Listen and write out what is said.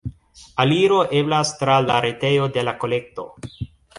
Aliro eblas tra la retejo de la kolekto.